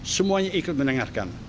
semuanya ikut mendengar